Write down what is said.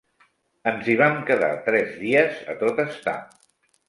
Ens hi vam quedar tres dies a tot estar.